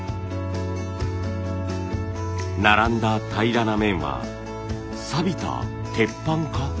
並んだ平らな面はさびた鉄板か？